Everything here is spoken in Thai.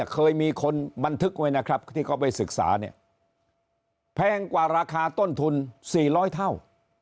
เคยมีคนบันทึกไว้นะครับที่เขาไปศึกษาเนี่ยแพงกว่าราคาต้นทุน๔๐๐เท่า